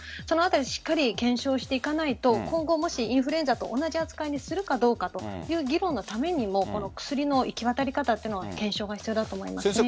そのあたり、しっかり検証していかないと今後、もしインフルエンザと同じ扱いにするかどうかという議論のためにも薬の行き渡り方というのも検証が必要だと思います。